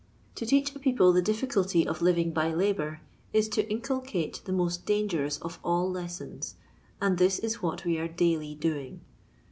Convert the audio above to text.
To teach a people the difficulty of living by labour is to inculcate the most dangerous of all lessons, and this is what we are daily doing.